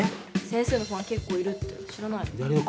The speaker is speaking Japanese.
先生のファン結構いるって知らないの？